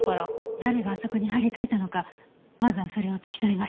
誰があそこに貼り付けたのかまずはそれを突き止めましょう。